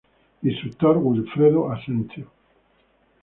Instructor Wilfredo Asencio.